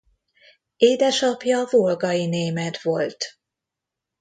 Édesapja volgai német volt.